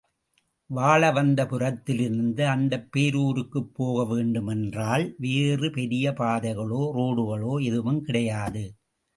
வாழவந்தபுரத்திலிருந்து அந்தப் பேரூருக்குப் போகவேண்டும் என்றால், வேறு பெரிய பாதைகளோ, ரோடுகளோ எதுவும் கிடையாது.